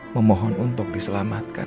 memohon untuk diselamatkan